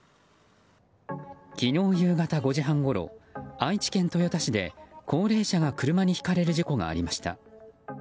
昨日夕方５時半ごろ愛知県豊田市で高齢者が車にひかれる事故がありました。